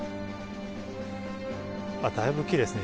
あっ、だいぶきれいですね。